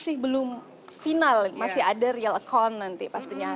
masih belum final masih ada real account nanti pastinya